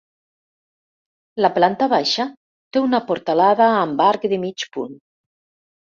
La planta baixa té una portalada amb arc de mig punt.